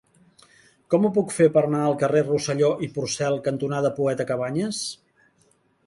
Com ho puc fer per anar al carrer Rosselló i Porcel cantonada Poeta Cabanyes?